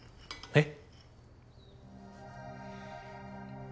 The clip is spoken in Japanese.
えっ？